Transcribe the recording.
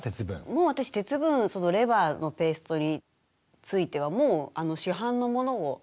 もう私鉄分レバーのペーストについてはもう市販のものを買っちゃってます。